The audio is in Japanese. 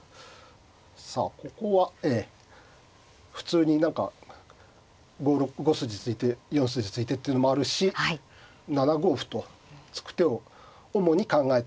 さあここは普通に何か５筋突いて４筋突いてっていうのもあるし７五歩と突く手を主に考えてると思いますね。